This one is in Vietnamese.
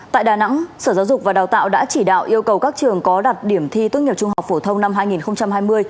tại đà nẵng sở giáo dục và đào tạo đã chỉ đạo yêu cầu các trường có đặt điểm thi tốt nghiệp trung học phổ thông năm hai nghìn hai mươi